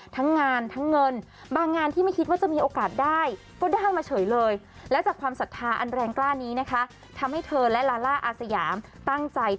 ทั้งงานทั้งเงินบางงานที่ไม่คิดว่าจะมีโอกาสได้